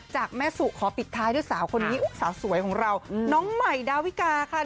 จากแม่สุขอปิดท้ายด้วยสาวคนนี้สาวสวยของเราน้องใหม่ดาวิกาค่ะ